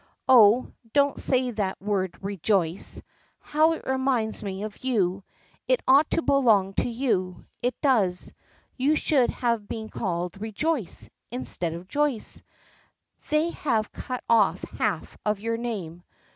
"Oh! don't say that word 'Rejoice.' How it reminds me of you. It ought to belong to you. It does. You should have been called 'Rejoice' instead of 'Joyce'; they have cut off half your name.